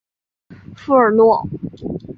富尔诺。